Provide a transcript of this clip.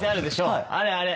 あれあれ。